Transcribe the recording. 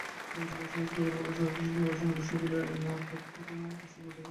নির্বাচন কমিশনের সূত্রগুলো জানায়, জেলা পরিষদের নির্বাচনের বিষয়ে এখনো কোনো সিদ্ধান্ত হয়নি।